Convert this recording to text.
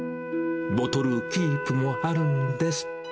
ボトルキープもあるんです。